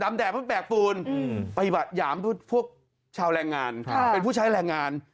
แดดเพิ่งแบกปูนไปหยามพวกชาวแรงงานเป็นผู้ใช้แรงงาน